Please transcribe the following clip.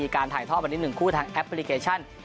การถ่ายทอดวันนี้๑คู่ทางแอปพลิเคชัน